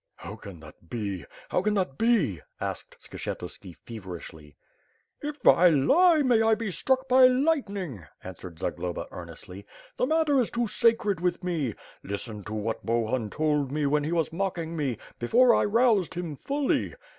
"How can that be? How can that be?" asked Skshetuski feverishly. "If I lie, may I be struck by lightning," answered Zagloba earnestly. "The matter is too sacred with me. Listen to what Bohun told me when he was mocking me, before I roused him fully.